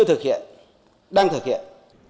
chưa thực hiện đang thực hiện